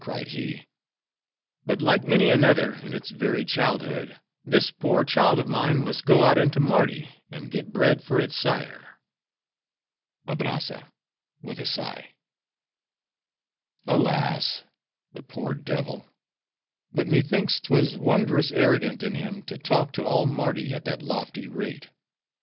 cried he; "but like many another, in its very childhood, this poor child of mine must go out into Mardi, and get bread for its sire." ABRAZZA (with a sigh)—Alas, the poor devil! But methinks 'twas wondrous arrogant in him to talk to all Mardi at that lofty rate.